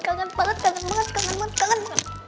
kangen banget kangen banget kangen banget